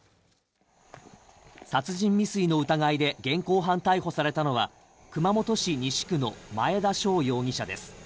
殺人未遂の疑いで現行犯逮捕されたのは熊本市西区の前田翔容疑者です